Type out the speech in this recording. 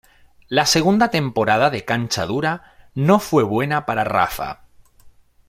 La segunda temporada de cancha dura no fue buena para "Rafa".